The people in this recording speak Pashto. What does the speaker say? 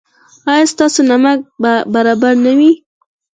ایا ستاسو نمک به برابر نه وي؟